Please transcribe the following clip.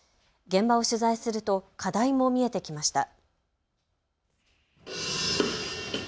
現場を取材すると課題も見えてきました。